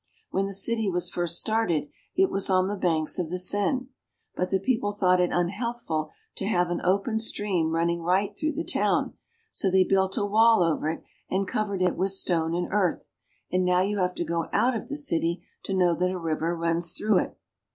When the city was first started it was on the banks of the Senne ; but the people thought it unhealthf ul to have an open stream running right through the town, so they built a wall over it and covered it with stone and earth ; and now you have to go out of the city to know that a river runs through it.